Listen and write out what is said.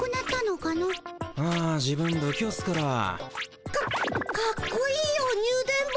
かかっこいいよニュ電ボ。